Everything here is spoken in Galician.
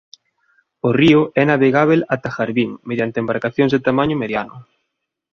O río é navegábel ata Harbin mediante embarcacións de tamaño mediano.